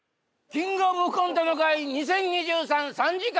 「キングオブコントの会２０２３」３時間